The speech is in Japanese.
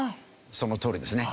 そのとおりですね。